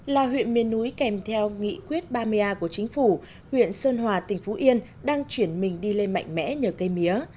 là huyện miền núi kèm theo nghị quyết ba mươi a của chính phủ huyện sơn hòa tỉnh phú yên đang chuyển mình đi lên mạnh mẽ nhờ cây mía